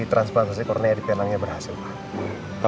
transplantasi kornea di penangnya berhasil pak